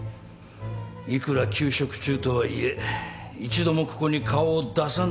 いくら休職中とはいえ一度もここに顔を出さないとはな。